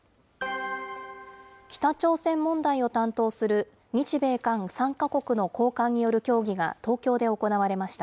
北朝鮮問題を担当する日米韓３か国の高官による協議が東京で行われました。